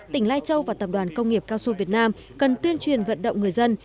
tỉnh lai châu và tập đoàn công nghiệp casu việt nam cần tuyên truyền vận động người dân